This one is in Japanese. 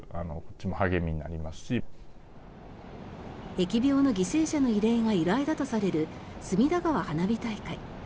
疫病の犠牲者の慰霊が由来だとされる隅田川花火大会。